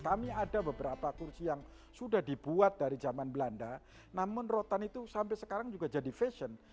kami ada beberapa kursi yang sudah dibuat dari zaman belanda namun rotan itu sampai sekarang juga jadi fashion